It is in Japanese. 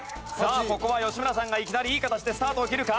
ここは吉村さんがいきなりいい形でスタートを切るか？